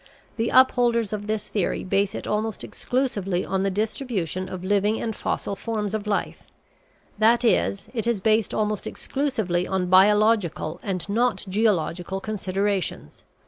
The upholders of this theory base it almost exclusively on the distribution of living and fossil forms of life; that is, it is based almost exclusively on biological and not geological considerations.